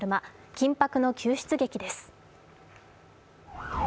緊迫の救出劇です。